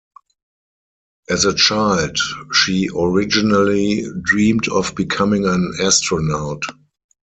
As a child, she originally dreamed of becoming an astronaut.